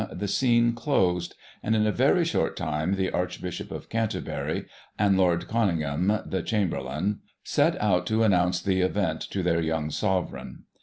the scene closed, and in a very short time the Archbishop of Canterbury and Lord Conyngham, the Chamberlain, set out to announce the event to their young Sovereign.